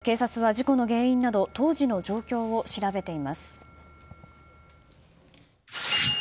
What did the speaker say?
警察は事故の原因など当時の状況を調べています。